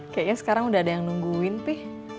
kayaknya sekarang udah ada yang nungguin tuh